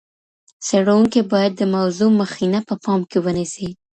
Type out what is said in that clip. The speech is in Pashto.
څېړونکی باید د موضوع مخینه په پام کي ونیسي.